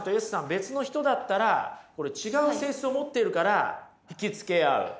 別の人だったらこれ違う性質を持ってるから引き付け合う。